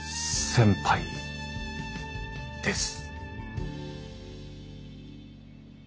先輩です。